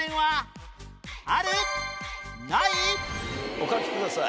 お書きください。